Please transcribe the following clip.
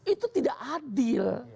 itu tidak adil